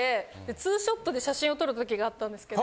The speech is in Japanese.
ツーショットで写真を撮る時があったんですけど。